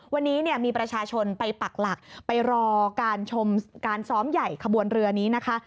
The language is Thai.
วันนี้เนี่ยมีประชาชนไปปักหลักไปรอการชมการซ้อมใหญ่ขบวนเรือนี้นะคะ